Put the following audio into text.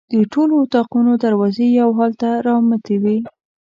د ټولو اطاقونو دروازې یو حال ته رامتې وې.